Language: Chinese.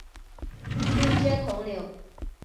位阶统领。